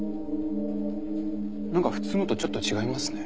なんか普通のとちょっと違いますね。